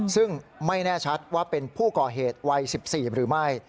ซึ่งไม่แน่ชัดว่าเป็นผู้ก่อเหตุวัย๑๔หรือไม่